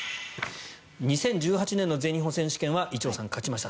２０１８年の全日本選手権は伊調さんが勝ちました。